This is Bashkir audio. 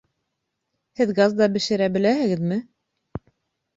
Һеҙ газда бешерә беләһегеҙме?